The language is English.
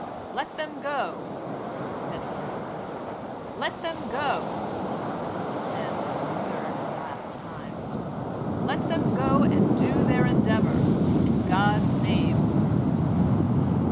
"Let them go!" Then again, "Let them go!" Then, for the third and last time, "Let them go and do their endeavor, in God's name!"